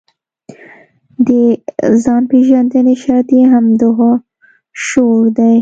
د ځان پېژندنې شرط یې همدغه شعور دی.